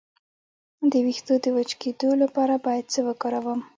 د ویښتو د وچ کیدو لپاره باید څه وکاروم؟